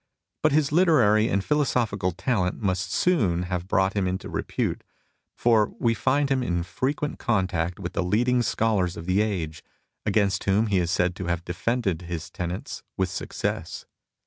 But his literary and philosophical talent must soon have brought him into repute, for we find him mS OFFICIAL POSITION 13 in frequent contact with the leading scholars of the age, against whom he is said to have defended his tenets with success.